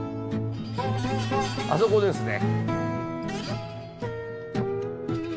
あそこですね。